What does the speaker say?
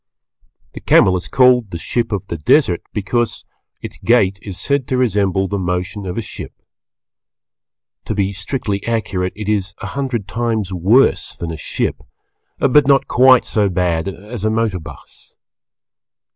The Camel is called the ship of the desert because its gait is said to resemble the motion of a ship. [Illustration: A BEDOUIN / A FOLDING BEDOUIN] To be strictly accurate it is a hundred times worse than a ship, but not quite so bad as a motor bus.